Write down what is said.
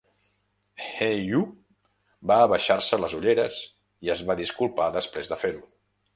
Hee-ju va abaixar-se les ulleres i es va disculpar després de fer-ho.